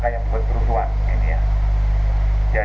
kemudian pempura penyelengkapan penjajah